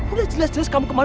udah jelas jelas kamu kemana